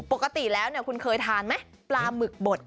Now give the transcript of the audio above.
ปกติแล้วคุณเคยทานไหมปลาหมึกบด